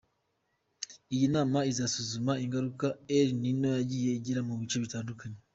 Iyi nama izasuzuma ingaruka El Nino yagiye igira mu bice bitandukanye.